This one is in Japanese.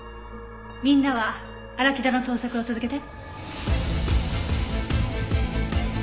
みんなは荒木田の捜索を続けて。